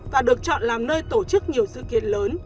và được chọn làm nơi tổ chức nhiều sự kiện lớn